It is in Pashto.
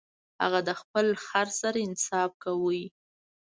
هغه د خپل خر سره انصاف کاوه.